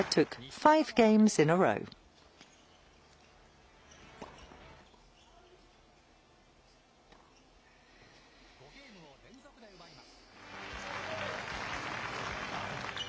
５ゲームを連続で奪います。